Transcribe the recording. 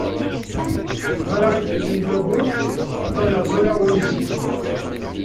Ma aɣ-in-tellim tawwurt, ata yeṛẓa-aɣ wansi.